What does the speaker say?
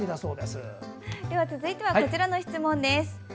続いてはこちらの質問。